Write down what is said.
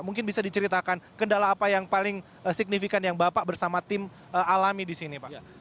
mungkin bisa diceritakan kendala apa yang paling signifikan yang bapak bersama tim alami di sini pak